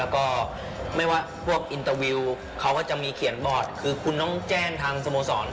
ก็ไม่ว่าพวกอินเตอร์วิวเขาก็จะมีเขียนบอร์ดคือคุณต้องแจ้งทางสโมสร